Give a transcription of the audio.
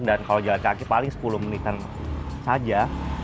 dan kalau jalan kaki paling sepuluh menitan saja